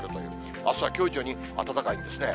あすはきょう以上に暖かいですね。